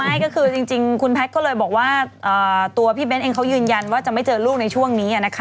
ไม่ก็คือจริงคุณแพทย์ก็เลยบอกว่าตัวพี่เบ้นเองเขายืนยันว่าจะไม่เจอลูกในช่วงนี้นะคะ